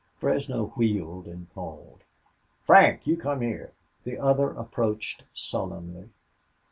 Fresno wheeled and called, "Frank, you come here!" The other approached sullenly.